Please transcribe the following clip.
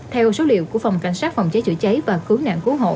theo số liệu của phòng cảnh sát phòng cháy chữa cháy và cứu nạn cứu hộ